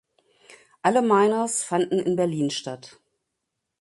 Alle Minors fanden in Berlin statt.